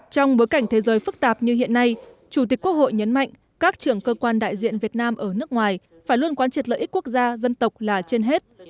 trong bối cảnh thế giới phức tạp như hiện nay chủ tịch quốc hội nhấn mạnh các trưởng cơ quan đại diện việt nam ở nước ngoài phải luôn quan triệt lợi ích quốc gia dân tộc là trên hết